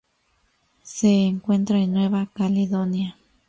Se encuentra en Nueva Caledonia.